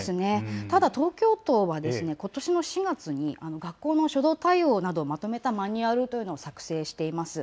ただ東京都はことしの４月に学校の初動対応などをまとめたマニュアルを作成しています。